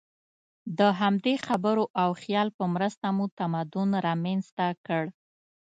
د همدې خبرو او خیال په مرسته مو تمدن رامنځ ته کړ.